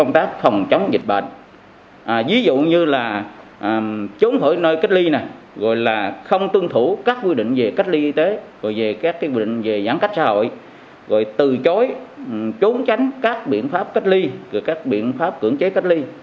trí đã không tuân thủ quy định về cách ly y tế về giãn cách xã hội từ chối trốn tránh các biện pháp cách ly các biện pháp cưỡng chế cách ly